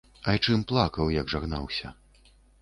Айчым плакаў, як жагнаўся.